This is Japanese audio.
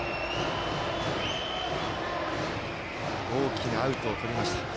大きなアウトをとりました。